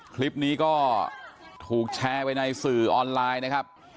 คลิปนี้ก็ถูกแชร์ไปในสื่อออนไลน์นะครับ